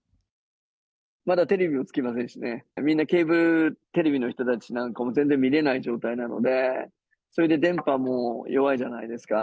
まだテレビもつきませんしね、みんなケーブルテレビの人たちなんかも全然見れない状態なので、それで電波も弱いじゃないですか。